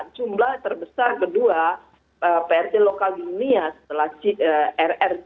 jumlah terbesar kedua prt lokal dunia setelah rrc